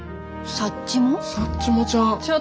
サッチモちゃん。